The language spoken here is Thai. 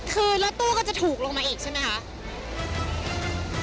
คือรถตู้ก็จะถูกลงมาอีกใช่ไหมคะ